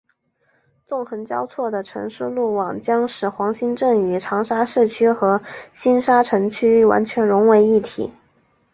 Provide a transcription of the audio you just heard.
纵横交错的城市路网将使黄兴镇与长沙市区和星沙城区完全融为一体。